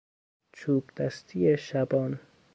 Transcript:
چوبدستی شبان